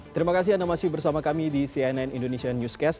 terima kasih anda masih bersama kami di cnn indonesia newscast